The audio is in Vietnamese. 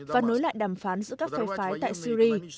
và nối lại đàm phán giữa các phe phái tại syri